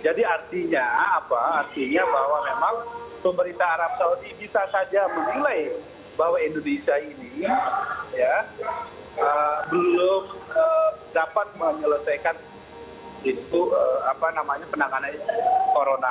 jadi artinya apa artinya bahwa memang pemerintah arab saudi bisa saja menilai bahwa indonesia ini belum dapat menyelesaikan penanganan corona